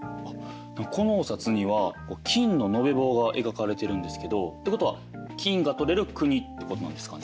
このお札には金の延べ棒が描かれてるんですけどってことは金が採れる国ってことなんですかね。